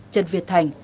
trần việt thành